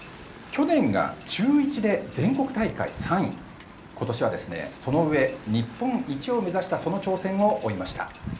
去年が中１で全国大会３位今年はその上、日本一を目指したその挑戦を追いました。